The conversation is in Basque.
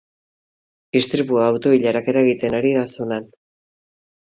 Istripua auto-ilarak eragiten ari da zonan.